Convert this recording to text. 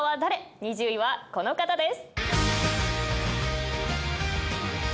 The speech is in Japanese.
２０位はこの方です。